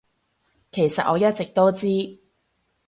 其實我一直都知